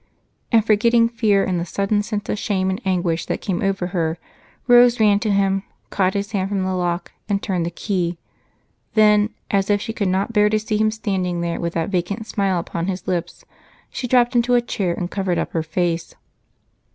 And, forgetting fear in the sudden sense of shame and anguish that came over her, Rose ran to him, caught his hand from the lock, and turned the key; then, as if she could not bear to see him standing there with that vacant smile on his lips, she dropped into a chair and covered up her face.